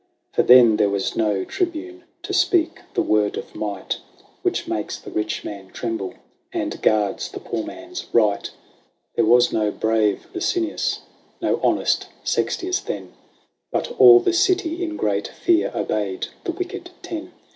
For then there was no Tribune to speak the word of might. Which makes the rich man tremble, and guards the poor man's right. 162 LAYS OF ANCIENT ROME. There was no brave Licinius, no honest Sextius then ; But all the city, in great fear, obeyed the wicked Ten.